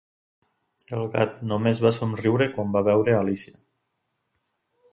El gat només va somriure quan va veure Alícia.